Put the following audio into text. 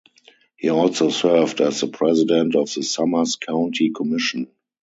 He also served as the president of the Summers County commission.